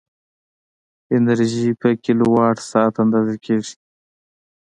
انرژي په کیلووات ساعت اندازه کېږي.